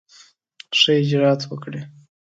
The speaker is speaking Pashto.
ښه اجرآت وکړي.